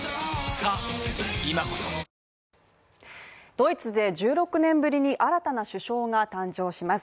ドイツで１６年ぶりに新たな首相が誕生します。